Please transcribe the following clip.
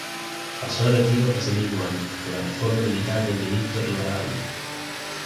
Pasó a retiro ese mismo año, por la reforma militar del ministro Rivadavia.